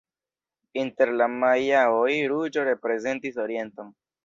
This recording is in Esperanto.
Inter la majaoj ruĝo reprezentis orienton.